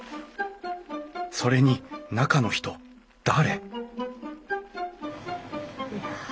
それに中の人誰？